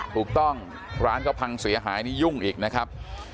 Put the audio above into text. ถูกต้องร้านก็พังเสียหายนี่ยุ่งอีกนะครับ